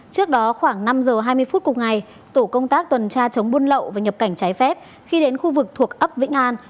trước đó khoảng năm giờ hai mươi phút cùng ngày tổ công tác tuần tra chống buôn lậu và nhập cảnh trái phép khi đến khu vực thuộc ấp vĩnh an